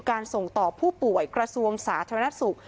ส่งต่อผู้ป่วยกระทรวงสาธารณสุข